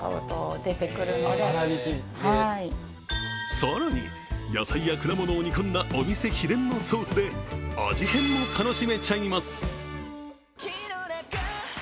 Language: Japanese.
更に、野菜や果物を煮込んだお店秘伝のソースで味変も楽しめちゃいます。